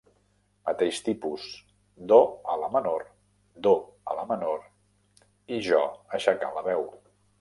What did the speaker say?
Mateix tipus: Do a La menor, Do a La menor, i jo aixecant la veu.